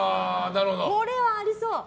これはありそう。